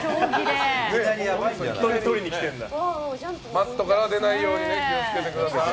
マットから出ないように気を付けてください。